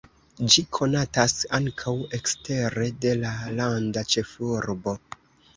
Ĝi konatas ankaŭ ekstere de la landa ĉefurbo.